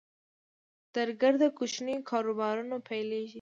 درګرده کوچني کاروبارونه پیلېږي